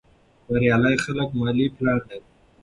بریالي خلک مالي پلان لري.